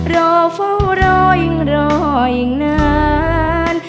รอเฝ้ารอยิ่งรอยิ่งนาน